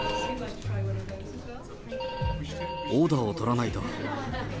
オーダーを取らないと。